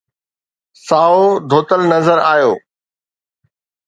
سائو ڌوتل نظر آيو